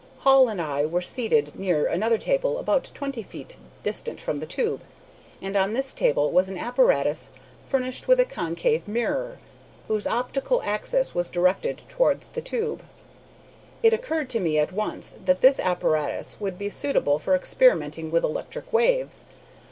Hall and I were seated near another table about twenty five feet distant from the tube, and on this table was an apparatus furnished with a concave mirror, whose optical axis was directed towards the tube. It occurred to me at once that this apparatus would be suitable for experimenting with electric waves.